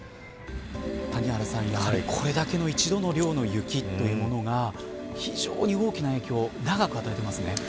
谷原さん、やはりこれだけの一度の量の雪というものが非常に大きな影響長く与えてますね。